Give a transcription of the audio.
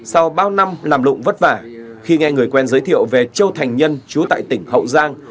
sau bao năm làm lụng vất vả khi nghe người quen giới thiệu về châu thành nhân chú tại tỉnh hậu giang